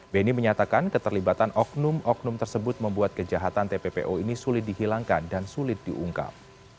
beni menyatakan keterlibatan oknum oknum tersebut membuat kejahatan tppo ini sulit dihilangkan dan sulit diungkap